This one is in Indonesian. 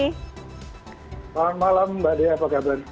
selamat malam mbak dea apa kabar